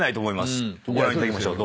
ご覧いただきましょう。